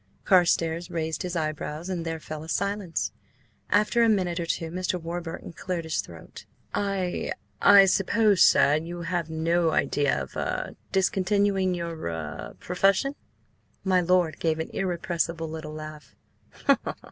Carstares raised his eyebrows, and there fell a silence. After a minute or two Mr. Warburton cleared his throat. "I–I suppose, sir–you have no idea of–er–discontinuing your–er–profession?" My lord gave an irrepressible little laugh.